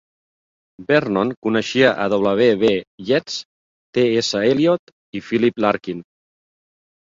Vernon coneixia a W. B. Yeats, T. S. Eliot i Philip Larkin.